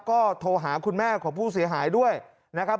ก็โทรหาคุณแม่ของผู้เสียหายด้วยนะครับ